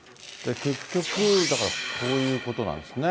結局、だから、こういうことなんですね。